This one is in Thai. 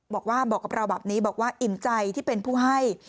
บอกว่าบอกกับเราแบบนี้บอกว่าอิ่มใจที่เป็นผู้ให้